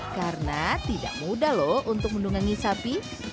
karena tidak mudah loh untuk mendungangi sapi